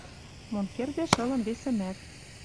Мон кердеш ылын весӹмӓт.